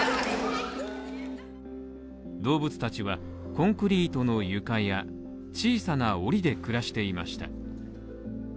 動物たちは、コンクリートの床や小さな檻で暮らしていました。